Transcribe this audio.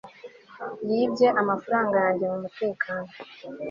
yibye amafaranga yanjye mu mutekano